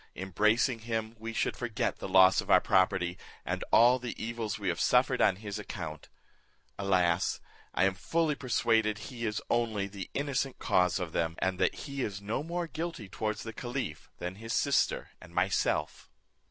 Embracing him we should forget the loss of our property, and all the evils we have suffered on his account. Alas! I am fully persuaded he is only the innocent cause of them; and that he is no more guilty towards the caliph than his sister and myself."